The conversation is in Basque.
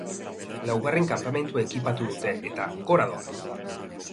Laugarren kanpamentua ekipatu dute eta, gora doa!